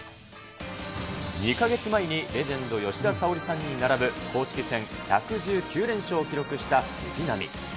２か月前にレジェンド、吉田沙保里さんに並ぶ公式戦１１９連勝を記録した藤波。